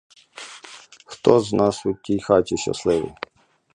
Хто з нас у тій хаті щасливий?